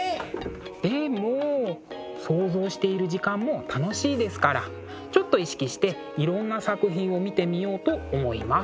でも想像している時間も楽しいですからちょっと意識していろんな作品を見てみようと思います。